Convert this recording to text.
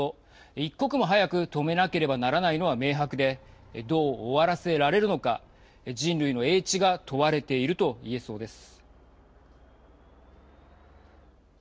一刻も早く止めなければならないのは明白でどう終わらせられるのか人類の英知が問われていると言えそうです。